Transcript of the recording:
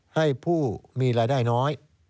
ให้ผู้มีรายได้น้อย